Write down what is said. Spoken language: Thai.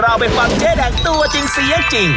เราไปฟังเจ๊แดงตัวจริงจริง